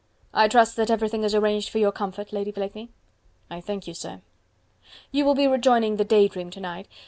"I trust that everything is arranged for your comfort, Lady Blakeney." "I thank you, sir." "You will be rejoining the 'Day Dream' to night.